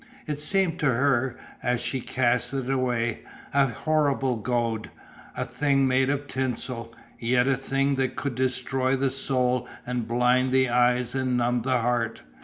It seemed to her, as she cast it away, a horrible gaud, a thing made of tinsel, yet a thing that could destroy the soul and blind the eyes and numb the heart.